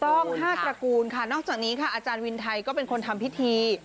ต้อง๕ตระกูลค่ะนอกจากนี้ค่ะอาจารย์วินไทยก็เป็นคนทำพิธี